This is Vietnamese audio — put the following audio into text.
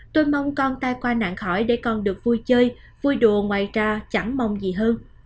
tôi mong con tai qua nạn khỏi để con được vui chơi vui đùa ngoài ra chẳng mong gì hơn